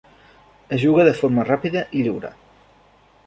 Es juga de forma ràpida i lliure